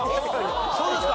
そうですか！